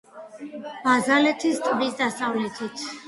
ბაზალეთის ტბის დასავლეთით.